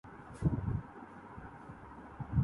میرے واحد ساتھی مولانا اختر احسن ہی تھے